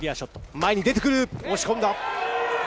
前に出てくる、押し込んだ。